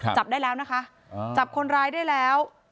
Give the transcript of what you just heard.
จับได้แล้วนะคะจับคนร้ายได้แล้ว